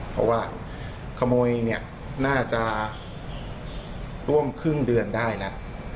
เพราะว่าขโมยน่าจะร่วมครึ่งเดือนได้แล้ว